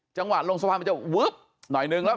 จังหวะลงสะพานมันจะวึบหน่อยนึงแล้ว